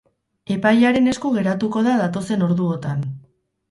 Epailearen esku geratuko da datozen orduotan.